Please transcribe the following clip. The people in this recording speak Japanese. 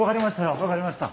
分かりました。